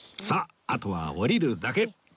さああとは下りるだけ